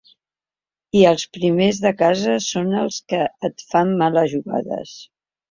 I els primers de casa són els que et fan males jugades.